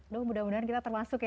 dong mudah mudahan kita termasuk ya